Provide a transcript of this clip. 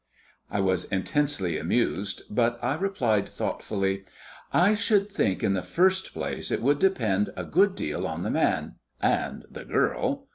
I was intensely amused, but I replied thoughtfully: "I should think in the first place it would depend a good deal on the man and the girl.